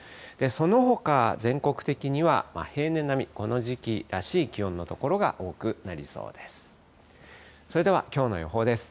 そのほか、全国的には平年並み、この時期らしい気温の所が多くなりそうです。